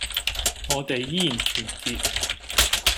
我哋依然團結